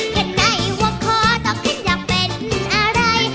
เกิดไหนว่าขอตรงขึ้นอยากเป็นอะไร